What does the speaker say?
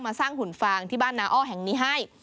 สร้างหุ่นฟางที่บ้านนาอ้อแห่งนี้ให้